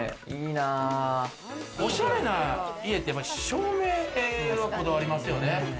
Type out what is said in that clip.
おしゃれな家って照明はこだわりますよね。